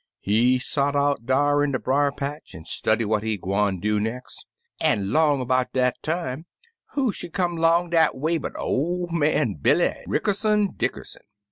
"He sot out dar in de briar patch an' study what he gwine do nex', an' 'long 'bout dat time who should come 'long dat way but ol' man Billy Rickerson Dickerson.